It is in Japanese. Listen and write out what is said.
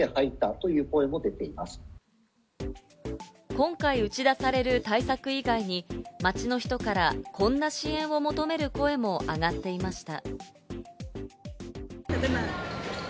今回打ち出される対策以外に街の人からこんな支援を求める声もあがっていました。